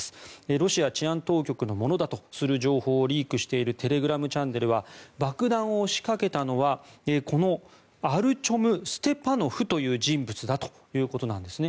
ロシア治安当局のものとする情報をリークしているテレグラムチャンネルは爆弾を仕掛けたのはアルチョム・ステパノフという人物だということなんですね。